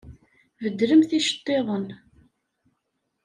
Beddlemt iceṭṭiḍen!